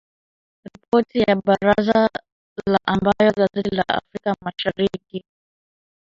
Ripoti ya Baraza la ambayo gazeti la Afrika mashariki